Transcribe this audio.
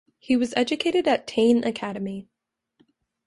He was educated at Tain Academy.